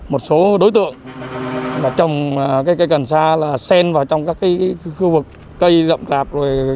một số đối tượng trồng cây cần xa là sen vào trong các khu vực cây rộng rạp